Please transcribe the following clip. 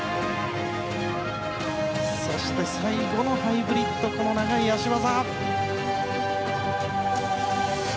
そして最後のハイブリッド長い脚技。